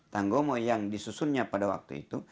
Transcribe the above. tanggomo yang disusunnya pada waktu itu